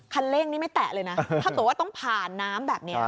เล่งนี้ไม่แตะเลยนะถ้าเกิดว่าต้องผ่านน้ำแบบนี้